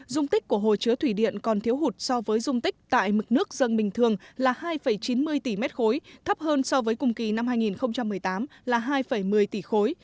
dung tích của hồ chứa thủy điện còn thiếu hụt so với dung tích tại mực nước dân bình thường là hai chín mươi tỷ m ba thấp hơn so với cùng kỳ năm hai nghìn một mươi tám là hai một mươi tỷ khối